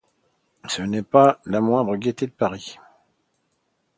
Ce n’est pas la moindre gaieté de Paris.